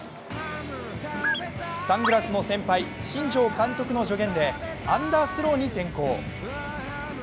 サングラスの先輩・新庄監督の助言でアンダースローに転向。